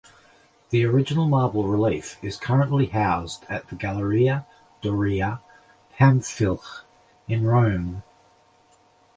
The original marble relief is currently housed at the Galleria Doria Pamphilj in Rome.